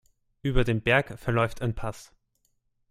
Über den Berg verläuft ein Pass.